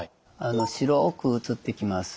白く写ってきます。